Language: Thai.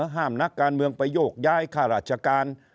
นักการเมืองไปโยกย้ายข้าราชการ